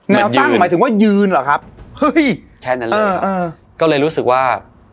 ช่างหมายถึงว่ายืนเหรอครับเฮ้ยแค่นั้นเลยครับก็เลยรู้สึกว่า